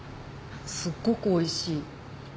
すっごくおいしい。